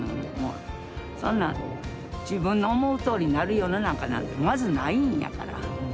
そんなん自分の思うとおりになる世の中なんてまずないんやから。